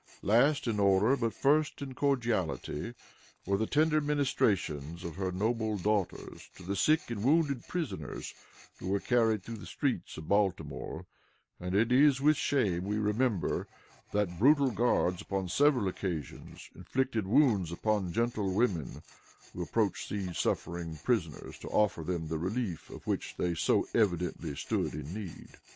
Last in order, but first in cordiality, were the tender ministrations of her noble daughters to the sick and wounded prisoners who were carried through the streets of Baltimore; and it is with shame we remember that brutal guards on several occasions inflicted wounds upon gentlewomen who approached these suffering prisoners to offer them the relief of which they so evidently stood in need.